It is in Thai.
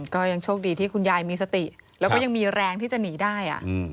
ก็ยังโชคดีที่คุณยายมีสติแล้วก็ยังมีแรงที่จะหนีได้